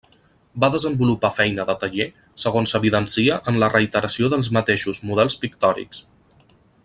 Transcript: Va desenvolupar feina de taller, segons s'evidencia en la reiteració dels mateixos models pictòrics.